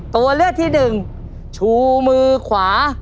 ตัวเลือกที่หนึ่งชูมือขวา